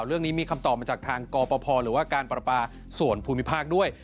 เรื่องนี้มีคำตอบมาจากทางกรปภหรือว่าการประปาส่วนภูมิภาคด้วย